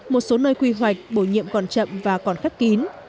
một số nơi quy hoạch bổ nhiệm còn chậm và còn khép kín